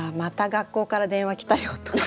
学校から電話来たよとか。